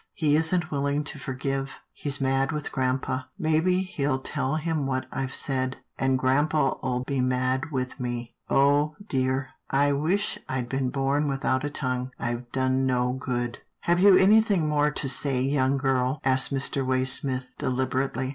He isn't willing to forgive — he's mad with grampa, maybe he'll tell him what I've said, and grampa'll be mad with me — oh, dear ! I wish I'd been born without a tongue — I've done no good — I've done no good." " Have you anything more to say, young girl ?" asked Mr. Waysmith, deliberately.